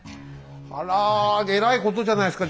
あらえらいことじゃないですか。